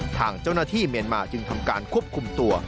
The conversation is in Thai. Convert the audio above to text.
ทางเจ้าหน้าที่เมียนมาจึงทำการควบคุมตัว